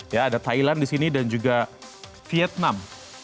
ya ada thailand di sini dan juga vietnam